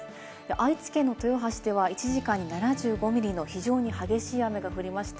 愛知県の豊橋では１時間に７５ミリの非常に激しい雨が降りました。